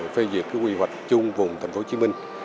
phê duyệt quy hoạch chung vùng thành phố hồ chí minh